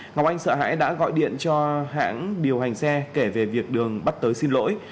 ngọc anh sợ hãi đã gọi điện cho hãng điều hành xe kể về việc đường bắt tới xin lỗi